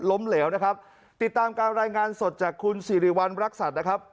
เหลวนะครับติดตามการรายงานสดจากคุณสิริวัณรักษัตริย์นะครับ